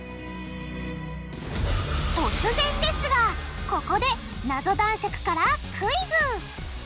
突然ですがここでナゾ男爵からクイズ！